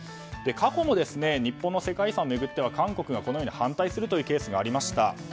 過去に日本の世界遺産を巡っては韓国がこのように反対するケースがありました。